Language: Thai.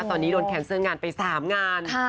ตอนนี้โดนแคนเซอร์งานไป๓งาน